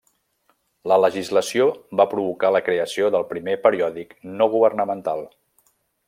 La legislació va provocar la creació del primer periòdic no-governamental.